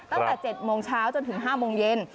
ตั้งแต่๗โมงเช้าจนถึง๕โมงเย็น